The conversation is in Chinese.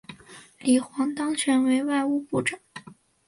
李璜当选为外务部长。